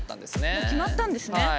もう決まったんですね。